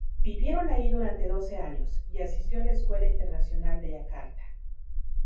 Vivieron allí durante doce años, y asistió a la Escuela Internacional de Yakarta.